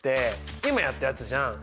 今やったやつじゃん。